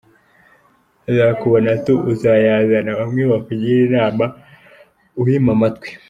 Bazakubona tu, uyazana, bamwe bakugire inama ubime amatwi.